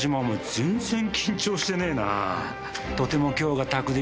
全然緊張してねえな。